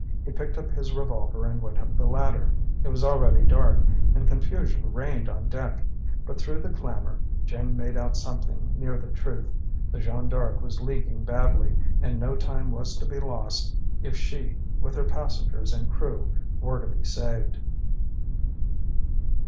He picked up his revolver and went up the ladder. It was already dark, and confusion reigned on deck. But through the clamor, Jim made out something near the truth: the Jeanne D'Arc was leaking badly, and no time was to be lost if she, with her passengers and crew, were to be saved.